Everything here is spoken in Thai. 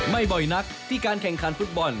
บ่อยนักที่การแข่งขันฟุตบอล